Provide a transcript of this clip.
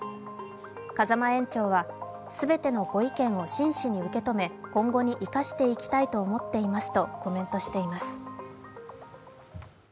風間園長は、全てのご意見を真摯に受け止め、今後に生かしていきたいと思っていますとコメントしています。